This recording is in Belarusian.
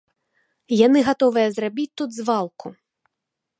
Яны гатовыя зрабіць тут звалку.